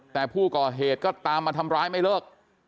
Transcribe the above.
แต่ผู้ก่อเหตุก็ตามมาทำร้ายไม่เลิก